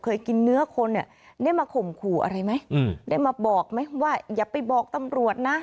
เคยกินเนื้อคนเนี่ยได้มาข่มขู่อะไรไหมได้มาบอกไหมว่าอย่าไปบอกตำรวจนะ